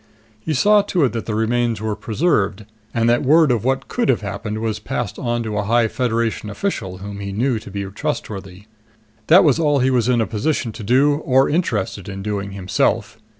He saw to it that the remains were preserved, and that word of what could have happened was passed on to a high Federation official whom he knew to be trustworthy. That was all he was in a position to do, or interested in doing, himself.